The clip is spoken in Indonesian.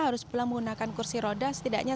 harus pula menggunakan kursi roda setidaknya